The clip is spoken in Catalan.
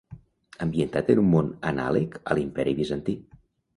Ambientat en un món anàleg a l'Imperi Bizantí.